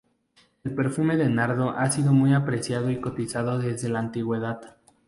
El perfume de nardo ha sido muy apreciado y cotizado desde la antigüedad.